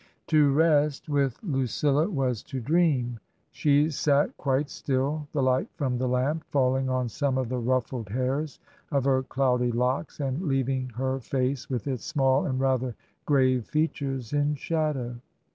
To rest with Lucilla was to dream. She sat quite still, the light from the lamp falling on some of the ruffled hairs of her cloudy locks and leaving her face, with its small and rather grave features, in shadow.